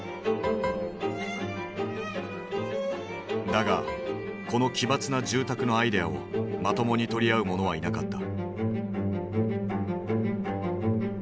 だがこの奇抜な住宅のアイデアをまともに取り合う者はいなかった。